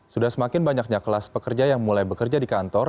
sudah semakin banyaknya kelas pekerja yang mulai bekerja di kantor